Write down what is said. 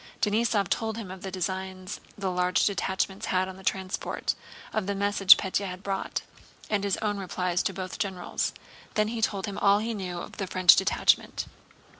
Denísov told him of the designs the large detachments had on the transport, of the message Pétya had brought, and his own replies to both generals. Then he told him all he knew of the French detachment.